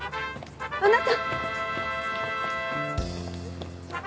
あなた！